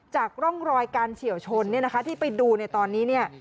จากร่องรอยการเฉียวชนที่ไปดูในตอนนี้